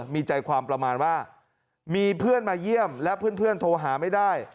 มีใจความประมาณว่ามีเพื่อนมาเยี่ยมและเพื่อนโทรหาไม่ได้